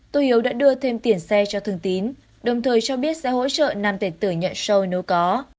tô hiếu đã đưa thêm tiền xe cho thường tín đồng thời cho biết sẽ hỗ trợ nam tài tử nhận show nếu có